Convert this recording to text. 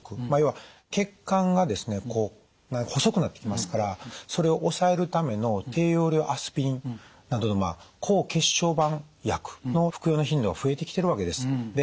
まあ要は血管がですね細くなってきますからそれを抑えるための低用量アスピリンなどの抗血小板薬の服用の頻度が増えてきてるわけです。